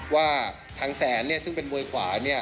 ว่าทางแสนซึ่งเป็นมวยขวา